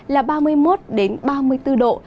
là ba mươi một ba mươi bốn độ